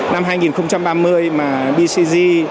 năm hai nghìn ba mươi mà bcg